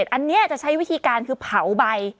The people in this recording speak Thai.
อันนี้จะใช้วิธีการคือเผาใบ